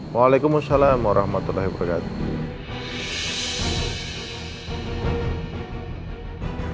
waalaikumsalam warahmatullahi wabarakatuh